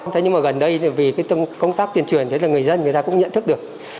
thế nhưng mà gần đây vì công tác tiền truyền thì người dân cũng nhận thức được